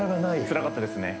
つらかったですね